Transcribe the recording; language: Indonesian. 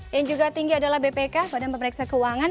yang juga tinggi adalah bpk badan pemeriksa keuangan